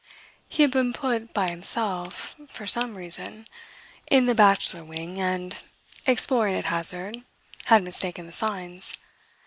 He had been put by himself, for some reason, in the bachelor wing and, exploring at hazard, had mistaken the signs.